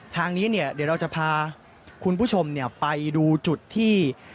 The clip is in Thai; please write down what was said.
ทางนี้เนี่ยเดี๋ยวเราจะพาคุณผู้ชมไปดูจุดที่